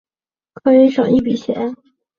可以省一笔钱